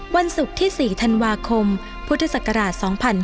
วันศุกร์ที่๔ธันวาคมพุทธศักราช๒๕๕๙